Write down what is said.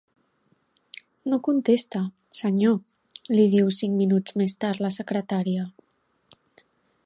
No contesta, senyor —li diu cinc minuts més tard la secretària—.